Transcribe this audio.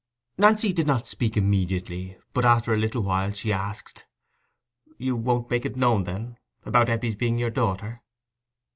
Nancy did not speak immediately, but after a little while she asked—"You won't make it known, then, about Eppie's being your daughter?"